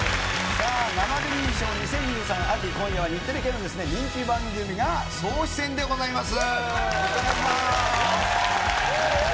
さあ、生デミー賞２０２３秋、今夜は日テレ系の人気番組が総出演でございます。